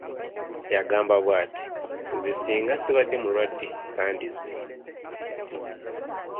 Yagamba bw'ati:"nze ssinga ssibadde mulwadde sandize"